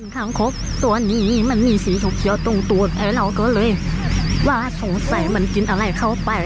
คางคกตัวนี้มันมีสีเขียวตรงตัวแพ้เราก็เลยว่าสงสัยมันกินอะไรเข้าไป